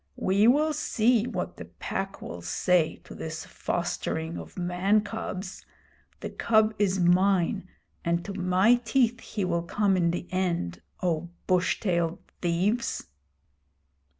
We will see what the Pack will say to this fostering of man cubs. The cub is mine, and to my teeth he will come in the end, O bush tailed thieves!'